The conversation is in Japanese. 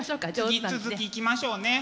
引き続きいきましょうね。